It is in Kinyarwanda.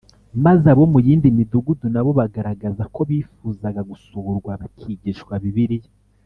maze abo mu yindi midugudu na bo bagaragaza ko bifuzaga gusurwa bakigishwa Bibiliya